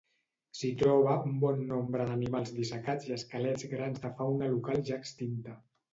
S'hi troba un bon nombre d'animals dissecats i esquelets grans de fauna local ja extinta.